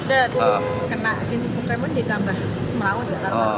kena game pokemon ditambah semrawut